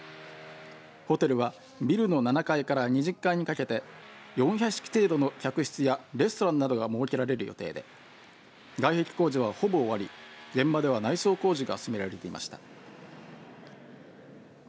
ホテルはビルの７階から２０階にかけて４００室程度の客室やレストランなどが設けられる予定で外壁工事は、ほぼ終わり現場では内装工事が進められていました。